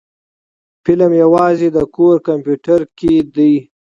فلم يوازې د کور کمپيوټر کې دی.